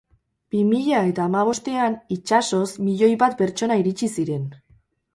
Bi mila eta hamabostean itsasoz milioi bat pertsona iritsi ziren.